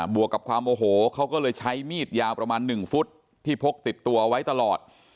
วกกับความโอโหเขาก็เลยใช้มีดยาวประมาณ๑ฟุตที่พกติดตัวไว้ตลอด